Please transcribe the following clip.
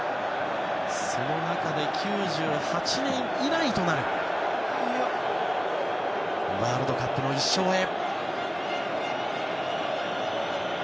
その中で、９８年以来となるワールドカップの１勝へ。